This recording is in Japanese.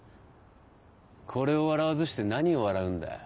これを笑わずして何を笑うんだよ。